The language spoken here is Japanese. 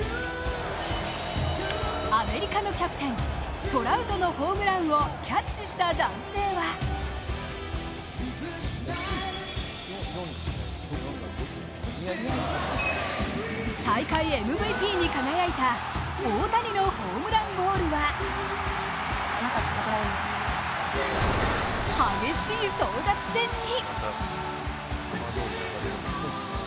アメリカのキャプテン、トラウトのホームランをキャッチした男性は大会ＭＶＰに輝いた大谷のホームランボールは激しい争奪戦に。